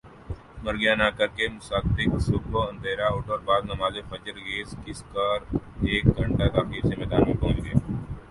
مر کیا نا کر کے مصداق صبح ہ اندھیر اٹھ اور بعد نماز فجر گیرز کس کر ایک گھنٹہ تاخیر سے میدان میں پہنچ گ